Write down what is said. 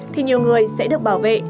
thì nhiều người sẽ được bảo vệ